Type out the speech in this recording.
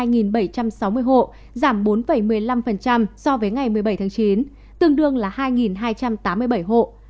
giảm bốn một mươi năm so với ngày một mươi bảy tháng chín tương đương là hai hai trăm tám mươi bảy hộ